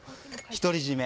独り占め。